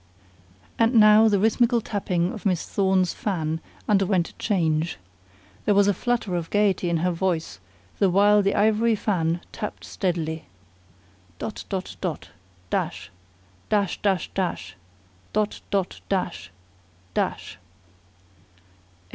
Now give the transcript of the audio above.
And now the rhythmical tapping of Miss Thorne's fan underwent a change. There was a flutter of gaiety in her voice the while the ivory fan tapped steadily. "Dot dot dot! Dash! Dash dash dash! Dot dot dash! Dash!"